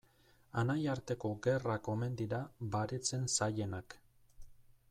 Anaiarteko gerrak omen dira baretzen zailenak.